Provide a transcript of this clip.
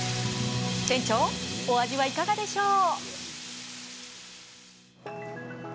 店長、お味はいかがでしょう？